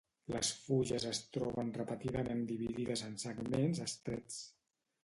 Les fulles es troben repetidament dividides en segments estrets.